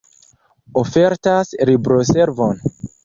Ofertas libroservon.